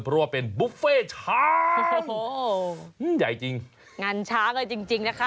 เพราะว่าเป็นบุฟเฟ่ช้างโอ้โหใหญ่จริงงานช้างเลยจริงจริงนะคะ